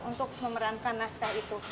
untuk memerankan naskah itu